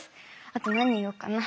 あと何言おうかな？